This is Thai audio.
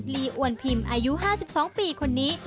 ีอวนพิมพ์อายุ๕๒ปีคนนี้